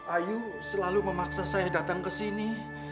ayu selalu memaksa saya datang kesini